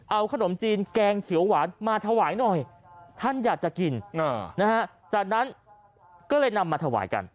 เอาขนมจีนแกงเขียวหวานมาถวายหน่อยท่านอยากจะกินจากนั้นก็เลยนำมาถวายกัน